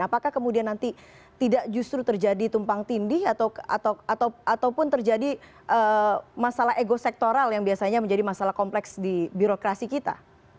apakah kemudian nanti tidak justru terjadi tumpang tindih ataupun terjadi masalah ego sektoral yang biasanya menjadi masalah kompleks di birokrasi kita